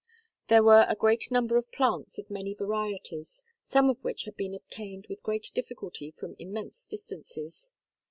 There were a great number of plants of many varieties, some of which had been obtained with great difficulty from immense distances.